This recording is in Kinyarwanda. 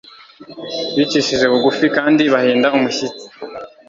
bicishije bugufi kandi bahinda umushitsi